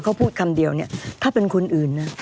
เขาพูดคำเดียวเนี่ยถ้าเป็นคนอื่นนะ